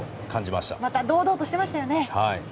また堂々としてましたよね。